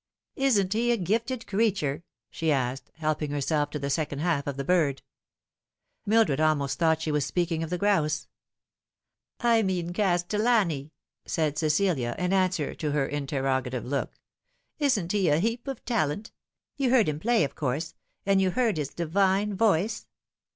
" Isn't he a gifted creature ?" she asked, helping herself to the second half of the bird. Mildred almost thought she was speaking of the grouse. " I mean Castellani," said Cecilia, in answer to her interro gative look. " Isn't he a heap of talent ? You heard him play, of course, and you heard his divine voice